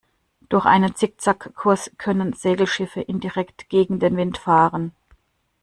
Durch einen Zickzack-Kurs können Segelschiffe indirekt gegen den Wind fahren.